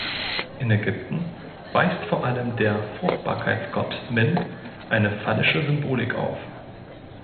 In Ägypten weist vor allem der Fruchtbarkeitsgott Min eine phallische Symbolik auf.